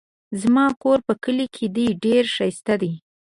زما کور په کلي کې دی ډېر ښايسته دی